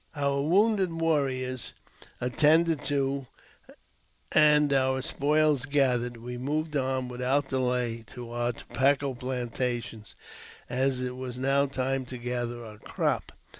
| Our wounded warriors attended to, and our spoils gathered, j we moved on without delay to our tobacco plantation, as it | was now time to gather our crop.